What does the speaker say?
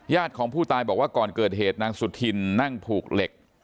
ของผู้ตายบอกว่าก่อนเกิดเหตุนางสุธินนั่งผูกเหล็ก